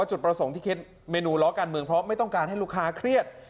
จุดประสงค์ที่คิดเมนูล้อการเมืองเพราะไม่ต้องการให้ลูกค้าเครียด